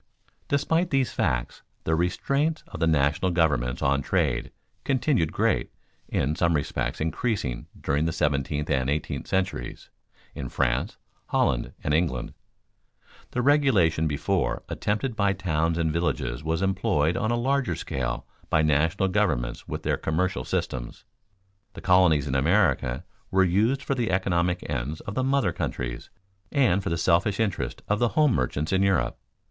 Despite these facts the restraints of the national governments on trade continued great, in some respects increasing during the seventeenth and eighteenth centuries, in France, Holland, and England. The regulation before attempted by towns and villages was employed on a larger scale by national governments with their commercial systems. The colonies in America were used for the economic ends of the "mother countries" and for the selfish interests of the home merchants in Europe.